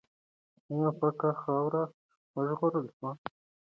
آیا پاکه خاوره وژغورل سوه؟